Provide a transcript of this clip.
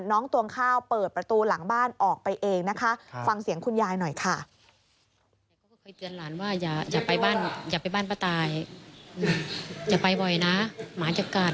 น้องตวงข้าวเปิดประตูหลังบ้านออกไปเองนะคะ